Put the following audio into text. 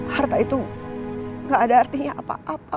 harta itu gak ada artinya apa